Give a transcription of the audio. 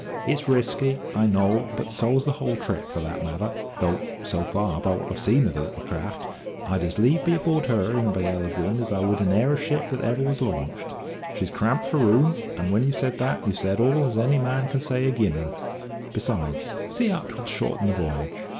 It's risky, I know; but so's the whole trip, for that matter, though, so far, by what I've seen of the little craft, I'd as lieve be aboard her in a gale of wind as I would be in e'er a ship that ever was launched. She's cramped for room, and when you've said that you've said all as any man can say ag'in her. Besides, see how 'twill shorten the v'yage.